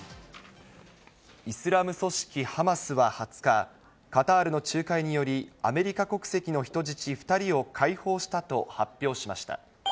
イスラム組織ハマスは２０日、カタールの仲介により、アメリカ国籍の人質２人を解放したと発表しました。